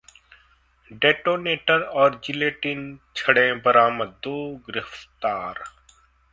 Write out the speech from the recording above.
detonator और gelatin छड़ें बरामद, दो गिरफ्तार